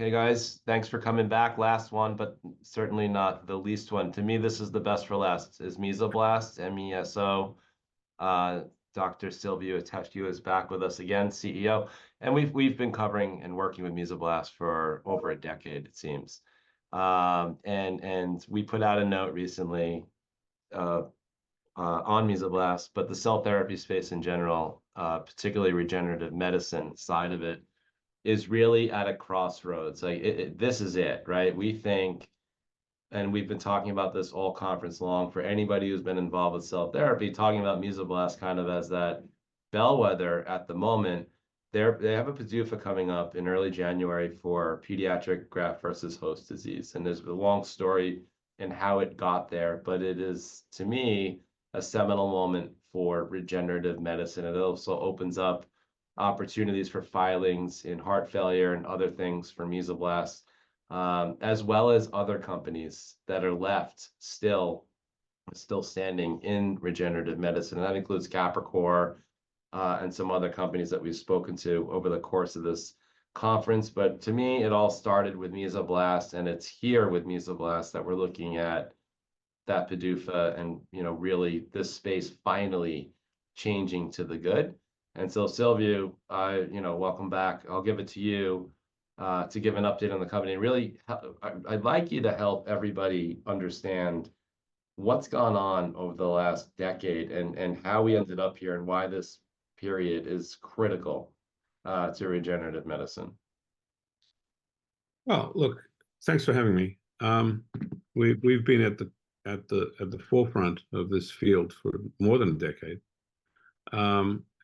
Hey, guys. Thanks for coming back. Last one, but certainly not the least one. To me, this is the best for last, is Mesoblast, M-E-S-O. Dr. Silviu Itescu is back with us again, CEO, and we've been covering and working with Mesoblast for over a decade, it seems. And we put out a note recently on Mesoblast, but the cell therapy space in general, particularly regenerative medicine side of it, is really at a crossroads. Like, this is it, right? We think, and we've been talking about this all conference long, for anybody who's been involved with cell therapy, talking about Mesoblast kind of as that bellwether at the moment. They have a PDUFA coming up in early January for pediatric graft versus host disease, and there's a long story in how it got there, but it is, to me, a seminal moment for regenerative medicine. It also opens up opportunities for filings in heart failure and other things for Mesoblast, as well as other companies that are left still standing in regenerative medicine, and that includes Capricor and some other companies that we've spoken to over the course of this conference, but to me, it all started with Mesoblast, and it's here with Mesoblast that we're looking at that PDUFA and, you know, really, this space finally changing to the good. So, Silviu, you know, welcome back. I'll give it to you to give an update on the company. Really, I, I'd like you to help everybody understand what's gone on over the last decade, and, and how we ended up here, and why this period is critical to regenerative medicine. Look, thanks for having me. We've been at the forefront of this field for more than a decade.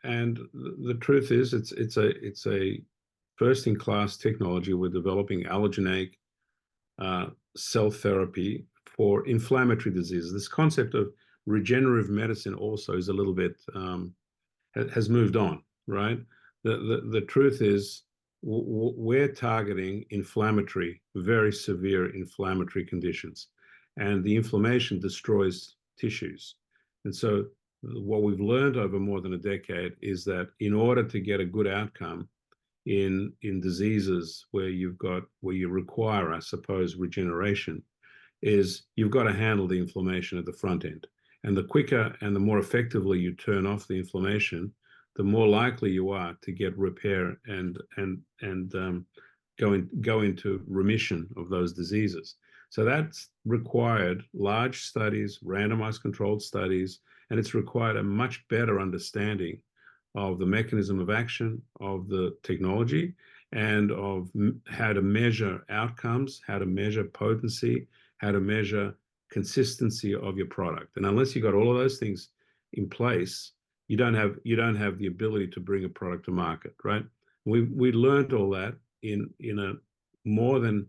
The truth is, it's a first-in-class technology. We're developing allogeneic cell therapy for inflammatory diseases. This concept of regenerative medicine also is a little bit has moved on, right? The truth is, we're targeting inflammatory, very severe inflammatory conditions, and the inflammation destroys tissues. And so what we've learned over more than a decade is that in order to get a good outcome in diseases where you require, I suppose, regeneration, is you've got to handle the inflammation at the front end. And the quicker and the more effectively you turn off the inflammation, the more likely you are to get repair and go into remission of those diseases. So that's required large studies, randomized controlled studies, and it's required a much better understanding of the mechanism of action of the technology and of how to measure outcomes, how to measure potency, how to measure consistency of your product. And unless you've got all of those things in place, you don't have the ability to bring a product to market, right? We learned all that in a more than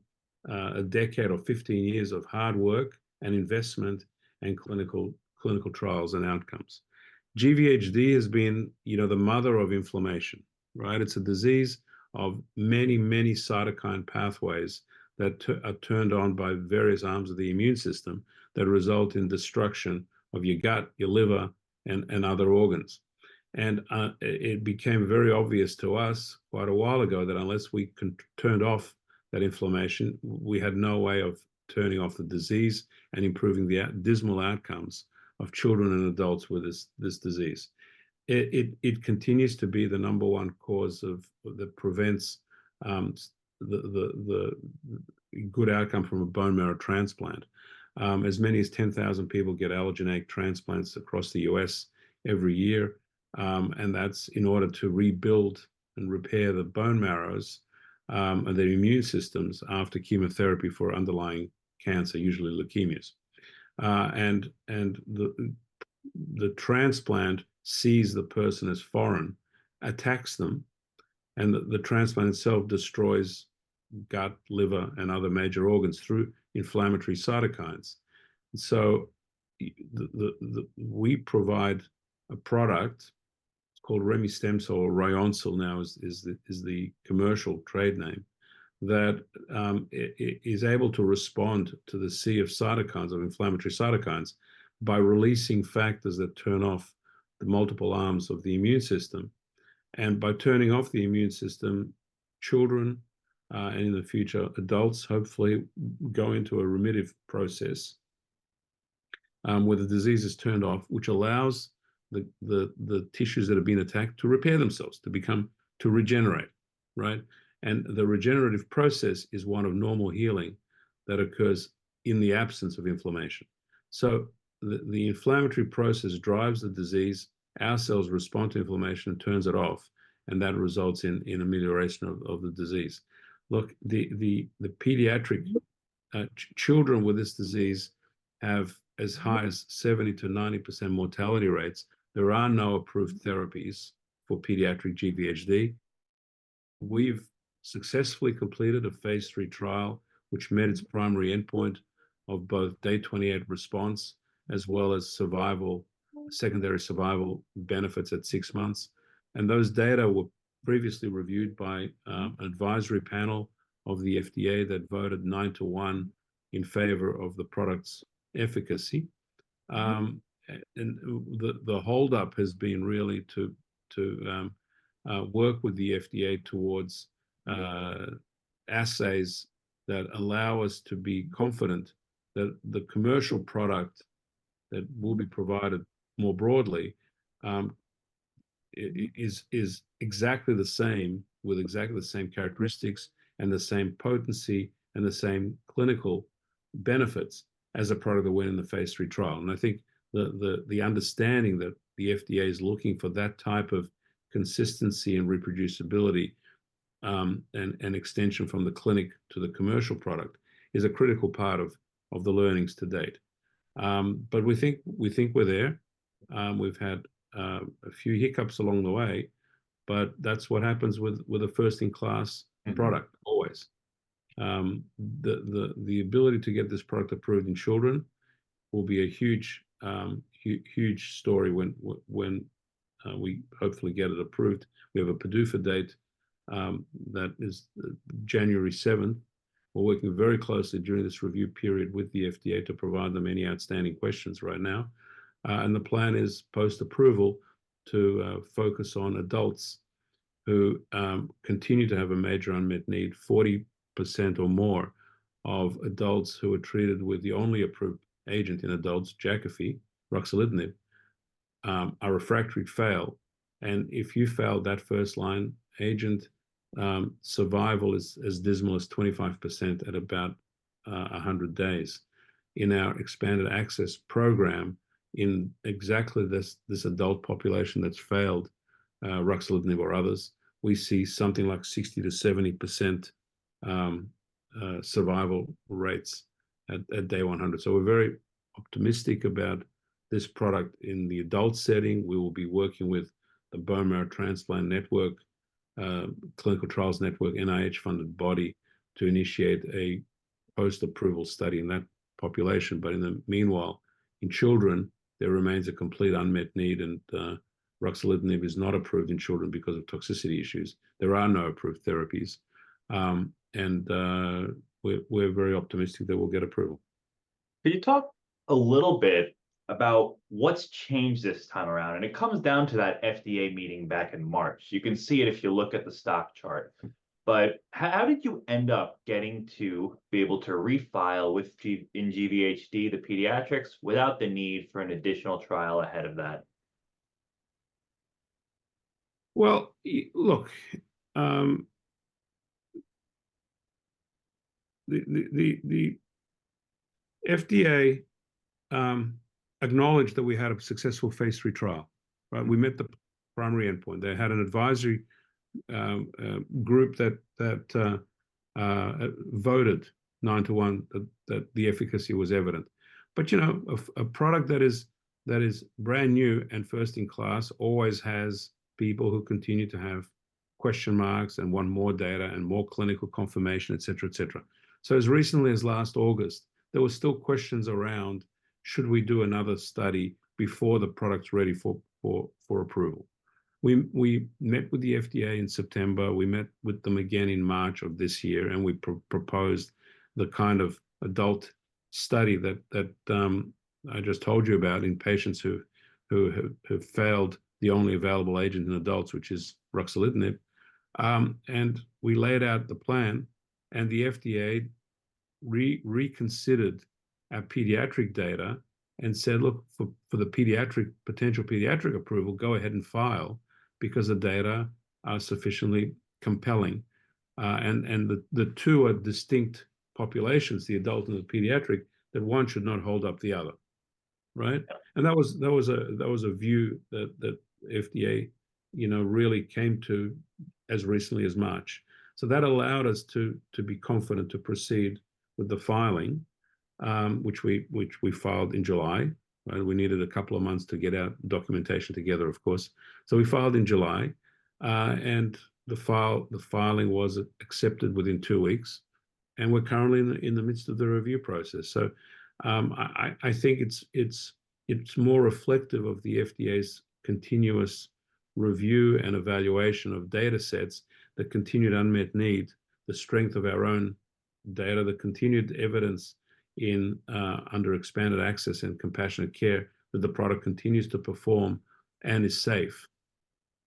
a decade or fifteen years of hard work and investment and clinical trials and outcomes. GVHD has been, you know, the mother of inflammation, right? It's a disease of many, many cytokine pathways that are turned on by various arms of the immune system that result in destruction of your gut, your liver, and other organs. It became very obvious to us quite a while ago that unless we turned off that inflammation, we had no way of turning off the disease and improving the dismal outcomes of children and adults with this disease. It continues to be the number one cause of that prevents the good outcome from a bone marrow transplant. As many as ten thousand people get allogeneic transplants across the U.S. every year, and that's in order to rebuild and repair the bone marrows, and their immune systems after chemotherapy for underlying cancer, usually leukemias. And the transplant sees the person as foreign, attacks them, and the transplant itself destroys gut, liver, and other major organs through inflammatory cytokines. So we provide a product, it's called remestemcel-L, or Ryoncil now is the commercial trade name, that is able to respond to the sea of cytokines, of inflammatory cytokines, by releasing factors that turn off the multiple arms of the immune system. And by turning off the immune system, children and in the future, adults, hopefully go into a remittive process, where the disease is turned off, which allows the tissues that have been attacked to repair themselves, to regenerate, right? And the regenerative process is one of normal healing that occurs in the absence of inflammation. So the inflammatory process drives the disease. Our cells respond to inflammation and turns it off, and that results in amelioration of the disease. Look, the pediatric children with this disease have as high as 70%-90% mortality rates. There are no approved therapies for pediatric GVHD. We've successfully completed a phase III trial, which met its primary endpoint of both day 28 response as well as survival, secondary survival benefits at six months, and those data were previously reviewed by advisory panel of the FDA that voted 9 to 1 in favor of the product's efficacy. And the holdup has been really to work with the FDA towards assays that allow us to be confident that the commercial product that will be provided more broadly is exactly the same, with exactly the same characteristics, and the same potency, and the same clinical benefits as a part of the win in the phase III trial. And I think the understanding that the FDA is looking for that type of consistency and reproducibility, and extension from the clinic to the commercial product, is a critical part of the learnings to date. But we think we're there. We've had a few hiccups along the way, but that's what happens with a first-in-class product always. The ability to get this product approved in children will be a huge story when we hopefully get it approved. We have a PDUFA date that is January 7th. We're working very closely during this review period with the FDA to provide them any outstanding questions right now. And the plan is post-approval to focus on adults who continue to have a major unmet need. 40% or more of adults who are treated with the only approved agent in adults, Jakafi, ruxolitinib, are refractory fail. And if you fail that first line agent, survival is as dismal as 25% at about 100 days. In our expanded access program, in exactly this adult population that's failed ruxolitinib or others, we see something like 60%-70% survival rates at day 100. So we're very optimistic about this product in the adult setting. We will be working with the Blood and Marrow Transplant Clinical Trials Network, NIH-funded body, to initiate a post-approval study in that population. But in the meanwhile, in children, there remains a complete unmet need, and ruxolitinib is not approved in children because of toxicity issues. There are no approved therapies. We're very optimistic that we'll get approval. Can you talk a little bit about what's changed this time around? And it comes down to that FDA meeting back in March. You can see it if you look at the stock chart. But how, how did you end up getting to be able to refile with PDUFA in GVHD, the pediatrics, without the need for an additional trial ahead of that? Well, look, the FDA acknowledged that we had a successful phase III trial, right? We met the primary endpoint. They had an advisory group that voted nine to one, that the efficacy was evident. But, you know, a product that is brand new and first-in-class, always has people who continue to have question marks, and want more data, and more clinical confirmation, etc. So as recently as last August, there were still questions around, should we do another study before the product's ready for approval? We met with the FDA in September. We met with them again in March of this year, and we proposed the kind of adult study that I just told you about in patients who have failed the only available agent in adults, which is ruxolitinib. And we laid out the plan, and the FDA reconsidered our pediatric data and said, "Look, for the potential pediatric approval, go ahead and file because the data are sufficiently compelling." And the two are distinct populations, the adult and the pediatric, that one should not hold up the other, right? And that was a view that the FDA, you know, really came to as recently as March. So that allowed us to be confident to proceed with the filing, which we filed in July. We needed a couple of months to get our documentation together, of course. So we filed in July, and the filing was accepted within two weeks, and we're currently in the midst of the review process. So I think it's more reflective of the FDA's continuous review and evaluation of data sets, the continued unmet need, the strength of our own data, the continued evidence under expanded access and compassionate care, that the product continues to perform and is safe.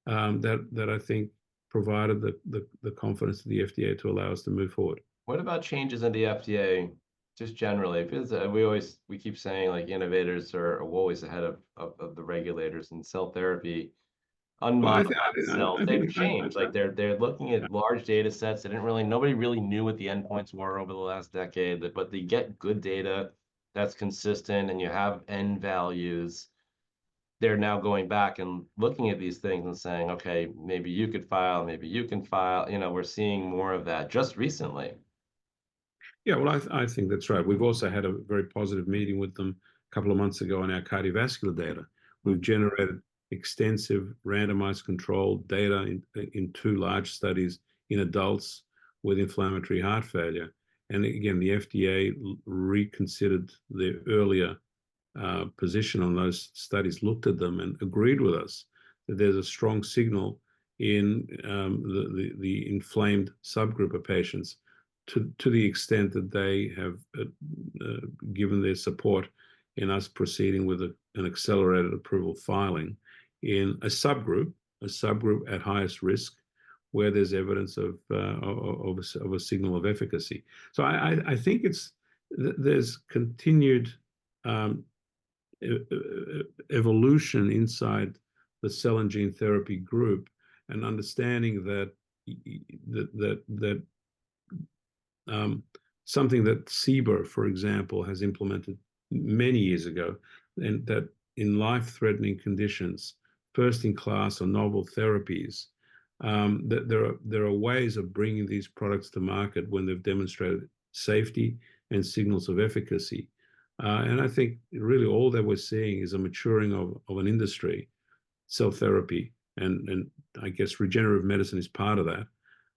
That I think provided the confidence to the FDA to allow us to move forward. What about changes in the FDA, just generally? Because we always, we keep saying, like, innovators are always ahead of the regulators, and cell therapy, unlike, like, they're looking at large data sets. They didn't really, nobody really knew what the endpoints were over the last decade, but they get good data that's consistent, and you have end values. They're now going back and looking at these things and saying, "Okay, maybe you could file, maybe you can file." You know, we're seeing more of that just recently. Yeah. Well, I think that's right. We've also had a very positive meeting with them a couple of months ago on our cardiovascular data. We've generated extensive randomized controlled data in two large studies in adults with inflammatory heart failure. And again, the FDA reconsidered their earlier position on those studies, looked at them and agreed with us that there's a strong signal in the inflamed subgroup of patients to the extent that they have given their support in us proceeding with an accelerated approval filing in a subgroup at highest risk, where there's evidence of a signal of efficacy. So I think it's, there's continued evolution inside the cell and gene therapy group, and understanding that that something that CBER, for example, has implemented many years ago, and that in life-threatening conditions, first-in-class or novel therapies, that there are ways of bringing these products to market when they've demonstrated safety and signals of efficacy. And I think really all that we're seeing is a maturing of an industry, cell therapy, and I guess regenerative medicine is part of that,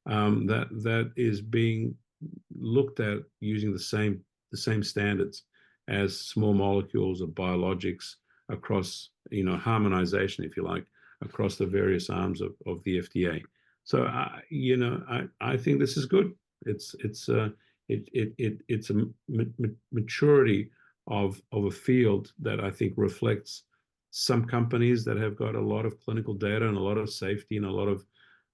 that is being looked at using the same standards as small molecules of biologics across, you know, harmonization, if you like, across the various arms of the FDA. So I, you know, I think this is good. It's a maturity of a field that I think reflects some companies that have got a lot of clinical data and a lot of safety and a lot of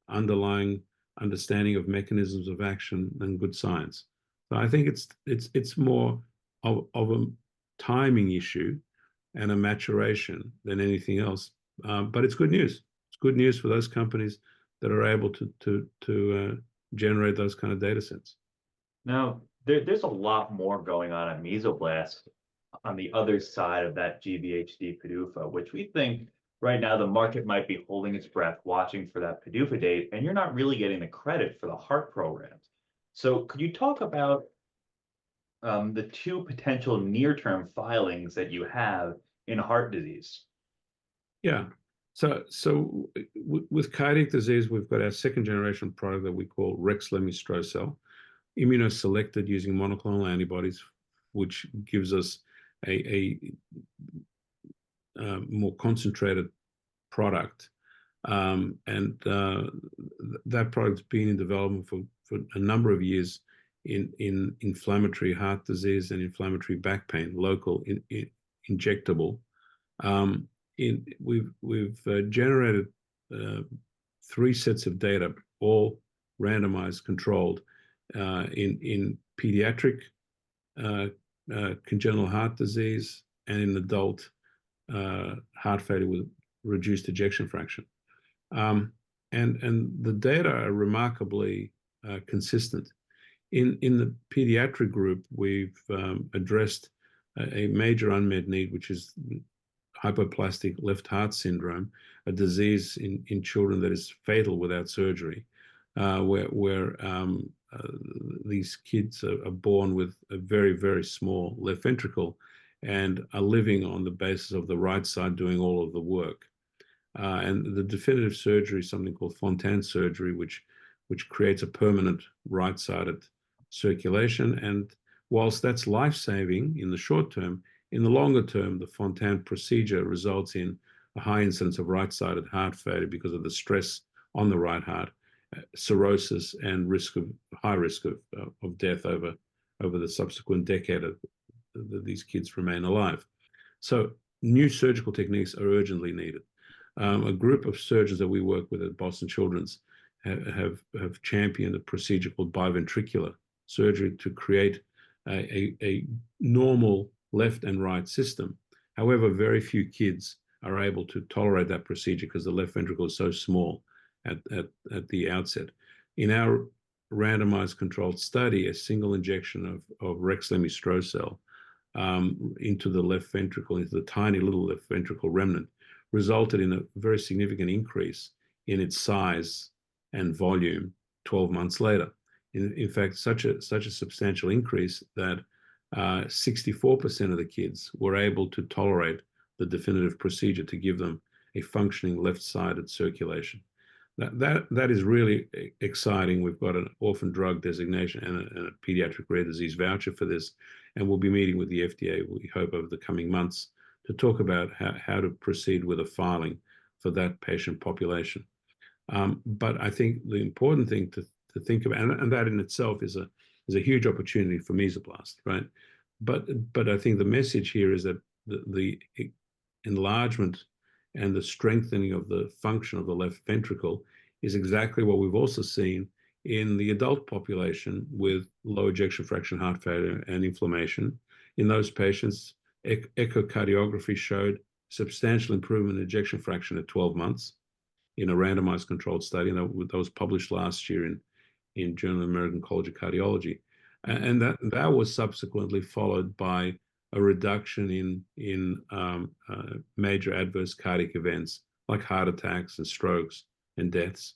underlying understanding of mechanisms of action and good science. So I think it's more of a timing issue and a maturation than anything else. But it's good news. It's good news for those companies that are able to generate those kind of data sets. Now, there, there's a lot more going on at Mesoblast on the other side of that GVHD PDUFA, which we think right now the market might be holding its breath, watching for that PDUFA date, and you're not really getting the credit for the heart programs. So could you talk about, the two potential near-term filings that you have in heart disease? Yeah. So, with cardiac disease, we've got our second-generation product that we call remestemcel-L, immunoselected using monoclonal antibodies, which gives us a more concentrated product. And, that product's been in development for a number of years in inflammatory heart disease and inflammatory back pain, locally injectable. We've generated three sets of data, all randomized, controlled, in pediatric congenital heart disease and in adult heart failure with reduced ejection fraction. And the data are remarkably consistent. In the pediatric group, we've addressed a major unmet need, which is hypoplastic left heart syndrome, a disease in children that is fatal without surgery, where these kids are born with a very small left ventricle and are living on the basis of the right side doing all of the work. And the definitive surgery is something called Fontan surgery, which creates a permanent right-sided circulation, and whilst that's life-saving in the short term, in the longer term, the Fontan procedure results in a high incidence of right-sided heart failure because of the stress on the right heart, cirrhosis, and high risk of death over the subsequent decade that these kids remain alive. New surgical techniques are urgently needed. A group of surgeons that we work with at Boston Children's have championed a procedure called biventricular surgery to create a normal left and right system. However, very few kids are able to tolerate that procedure because the left ventricle is so small at the outset. In our randomized controlled study, a single injection of remestemcel-L into the left ventricle, into the tiny little left ventricle remnant, resulted in a very significant increase in its size and volume 12 months later. In fact, such a substantial increase that 64% of the kids were able to tolerate the definitive procedure to give them a functioning left-sided circulation. That is really exciting. We've got an orphan drug designation and a pediatric rare disease voucher for this, and we'll be meeting with the FDA, we hope, over the coming months to talk about how to proceed with a filing for that patient population. But I think the important thing to think about, and that in itself is a huge opportunity for Mesoblast, right? But I think the message here is that the enlargement and the strengthening of the function of the left ventricle is exactly what we've also seen in the adult population with low ejection fraction heart failure and inflammation. In those patients, echocardiography showed substantial improvement in ejection fraction at 12 months in a randomized controlled study, and that was published last year in Journal of the American College of Cardiology. That was subsequently followed by a reduction in major adverse cardiac events, like heart attacks and strokes and deaths.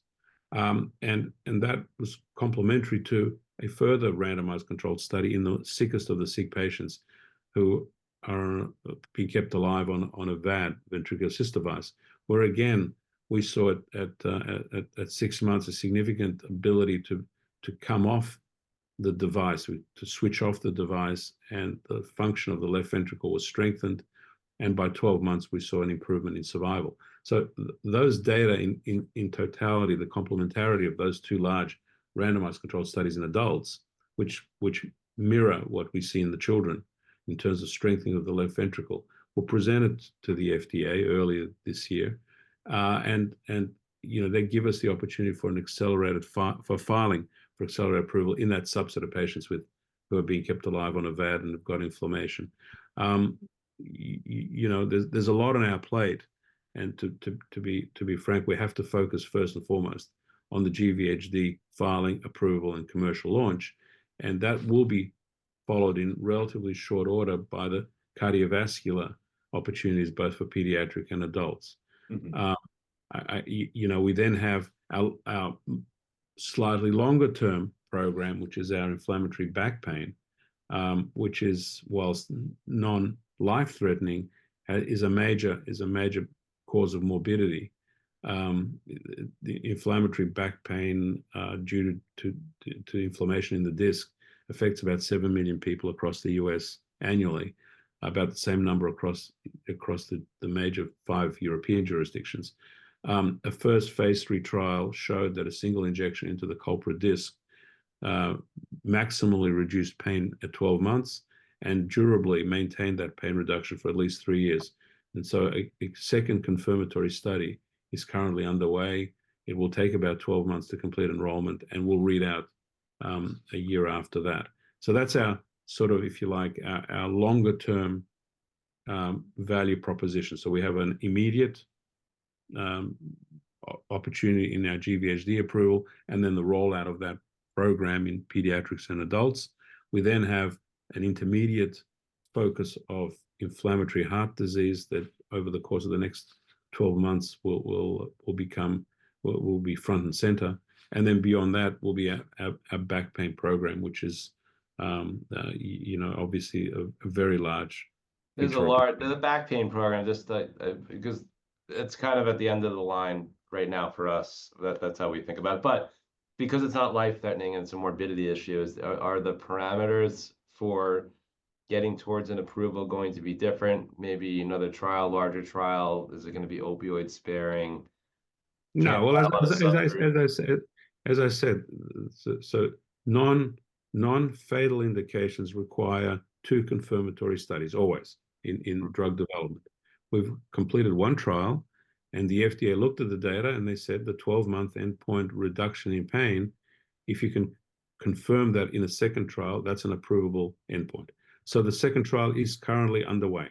That was complementary to a further randomized controlled study in the sickest of the sick patients who are being kept alive on a VAD, ventricular assist device, where again we saw at six months a significant ability to come off the device, to switch off the device, and the function of the left ventricle was strengthened, and by 12 months we saw an improvement in survival. Those data in totality, the complementarity of those two large randomized controlled studies in adults, which mirror what we see in the children in terms of strengthening of the left ventricle, were presented to the FDA earlier this year. You know, they give us the opportunity for an accelerated filing for accelerated approval in that subset of patients who are being kept alive on a VAD and have got inflammation. You know, there's a lot on our plate, and to be frank, we have to focus first and foremost on the GVHD filing approval and commercial launch, and that will be followed in relatively short order by the cardiovascular opportunities, both for pediatric and adults. You know, we then have our slightly longer term program, which is our inflammatory back pain, which is, while non-life-threatening, is a major cause of morbidity. The inflammatory back pain due to inflammation in the disc affects about seven million people across the U.S. annually, about the same number across the major five European jurisdictions. A first phase III trial showed that a single injection into the culprit disc maximally reduced pain at 12 months, and durably maintained that pain reduction for at least three years. A second confirmatory study is currently underway. It will take about 12 months to complete enrollment, and we'll read out a year after that. That's our sort of, if you like, our longer term value proposition. So we have an immediate opportunity in our GVHD approval, and then the rollout of that program in pediatrics and adults. We then have an intermediate focus of inflammatory heart disease that over the course of the next 12 months will become, will be front and center. And then beyond that will be a back pain program, which is, you know, obviously a very large interest. There's the back pain program, just, because it's kind of at the end of the line right now for us, that's how we think about it. But because it's not life-threatening and it's a morbidity issue, are the parameters for getting towards an approval going to be different? Maybe another trial, larger trial, is it gonna be opioid-sparing? No. As I said, so non-fatal indications require two confirmatory studies always in drug development. We've completed one trial, and the FDA looked at the data, and they said the 12-month endpoint reduction in pain, if you can confirm that in a second trial, that's an approvable endpoint. So the second trial is currently underway.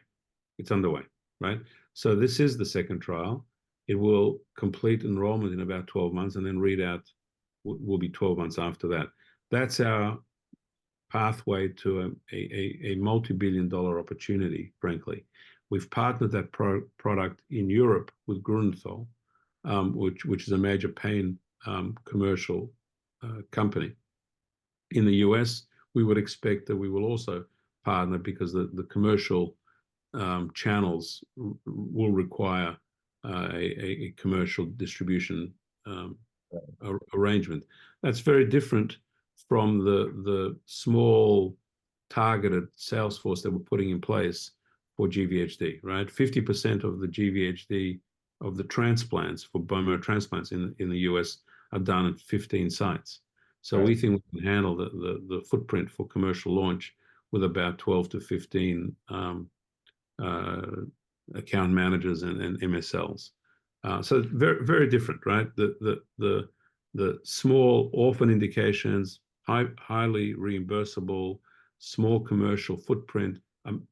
It's underway, right? So this is the second trial. It will complete enrollment in about 12 months, and then readout will be 12 months after that. That's our pathway to a multi-billion dollar opportunity, frankly. We've partnered that product in Europe with Grünenthal, which is a major pain commercial company. In the U.S., we would expect that we will also partner because the commercial channels will require a commercial distribution arrangement. That's very different from the small, targeted sales force that we're putting in place for GVHD, right? 50% of the GVHD, of the transplants for bone marrow transplants in the U.S., are done at 15 sites. So we think we can handle the footprint for commercial launch with about 12-15 account managers and MSLs. So very, very different, right? The small orphan indications, highly reimbursable, small commercial footprint,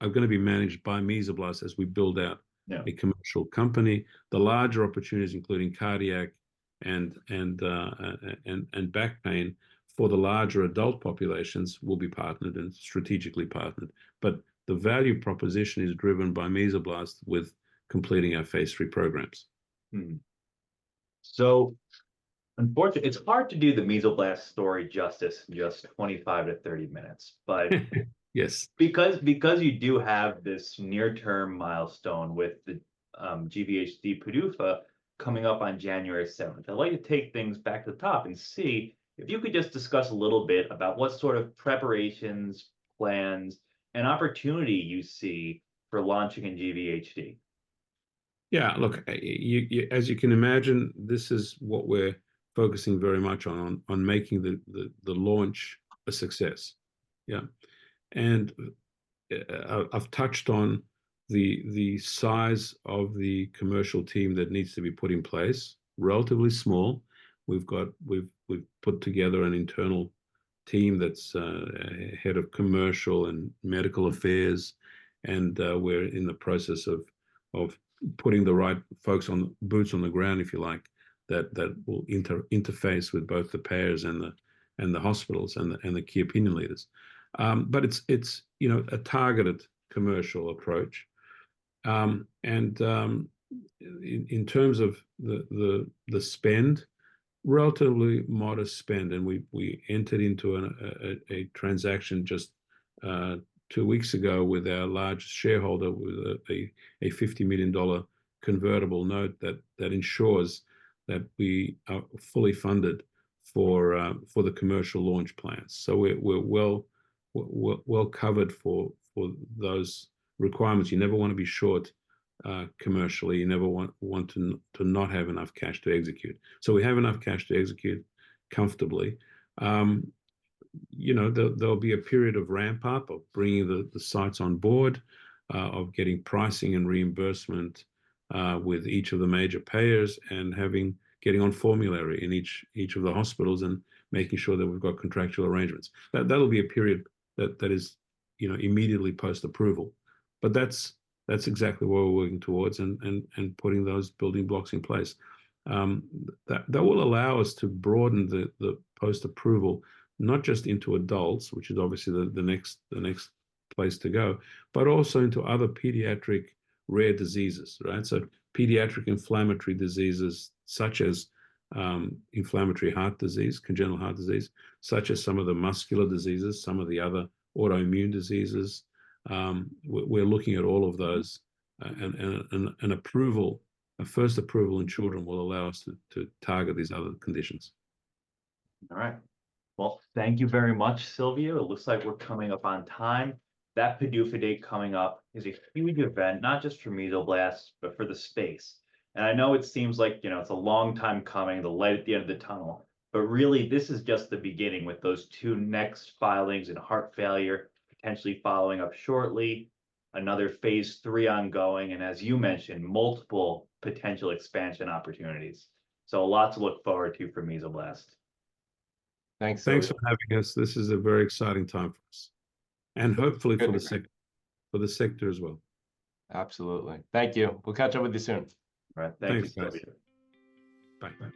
are gonna be managed by Mesoblast as we build outa commercial company. The larger opportunities, including cardiac and back pain for the larger adult populations, will be partnered and strategically partnered. But the value proposition is driven by Mesoblast with completing our phase III programs. So unfortunately, it's hard to do the Mesoblast story justice in just 25-30 minutes, but- Yes. Because you do have this near-term milestone with the GVHD PDUFA coming up on January 7th, I'd like to take things back to the top and see if you could just discuss a little bit about what sort of preparations, plans, and opportunity you see for launching in GVHD. Yeah, look, you, as you can imagine, this is what we're focusing very much on, on making the launch a success. Yeah. And, I've touched on the size of the commercial team that needs to be put in place, relatively small. We've got. We've put together an internal team that's head of commercial and medical affairs, and, we're in the process of putting the right folks on boots on the ground, if you like, that will interface with both the payers and the hospitals, and the key opinion leaders. But it's, you know, a targeted commercial approach. In terms of the spend, relatively modest spend, and we entered into a transaction just two weeks ago with our largest shareholder, with a $50 million convertible note that ensures that we are fully funded for the commercial launch plans. We're well covered for those requirements. You never want to be short commercially. You never want to not have enough cash to execute. We have enough cash to execute comfortably. You know, there'll be a period of ramp-up, of bringing the sites on board, of getting pricing and reimbursement with each of the major payers, and getting on formulary in each of the hospitals, and making sure that we've got contractual arrangements. That'll be a period that is, you know, immediately post-approval. But that's exactly what we're working towards, and putting those building blocks in place. That will allow us to broaden the post-approval, not just into adults, which is obviously the next place to go, but also into other pediatric rare diseases, right? So pediatric inflammatory diseases such as inflammatory heart disease, congenital heart disease, such as some of the muscular diseases, some of the other autoimmune diseases. We're looking at all of those, and a first approval in children will allow us to target these other conditions. All right. Well, thank you very much, Silviu. It looks like we're coming up on time. That PDUFA date coming up is a huge event, not just for Mesoblast, but for the space. And I know it seems like, you know, it's a long time coming, the light at the end of the tunnel, but really, this is just the beginning with those two next filings in heart failure, potentially following up shortly, another phase III ongoing, and as you mentioned, multiple potential expansion opportunities. So a lot to look forward to for Mesoblast. Thanks, Silviu. Thanks for having us. This is a very exciting time for us, and hopefully for the sector as well. Absolutely. Thank you. We'll catch up with you soon. Thank you, Silviu. Thanks. Bye-bye.